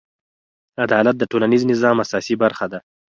عدالت د ټولنیز نظم اساسي برخه ده.